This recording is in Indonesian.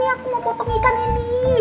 aku mau potong ikan ini